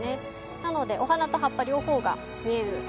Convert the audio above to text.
なのでお花と葉っぱ両方が見える桜になります。